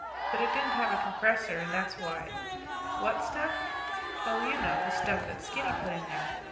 But it didn't have a compressor and that's why ... What stuff? Oh, you know, the stuff that Skinny put in there.